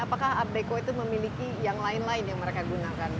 apakah art deco itu memiliki yang lain lain yang mereka gunakan